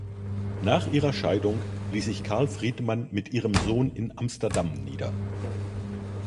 Nach ihrer Scheidung ließ sich Carl Friedman mit ihrem Sohn in Amsterdam nieder.